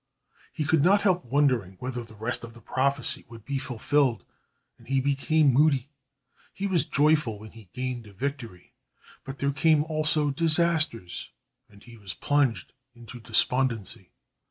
He could not help wondering whether the rest of the prophecy would be fulfilled, and he became moody. He was joyful when he gained a victory, but there came also disasters, and he was plunged into despondency.